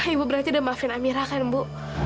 ibu berarti udah mafin amira kan bu